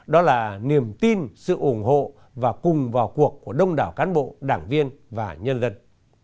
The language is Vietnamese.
đó là niềm tin sự ủng hộ và cùng vào cuộc của đông đảo cán bộ đảng viên và nhân dân